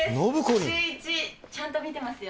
シューイチ、ちゃんと見てますよ。